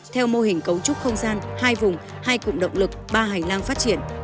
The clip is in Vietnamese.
theo mô hình cấu trúc không gian hai vùng hai cụm động lực ba hành lang phát triển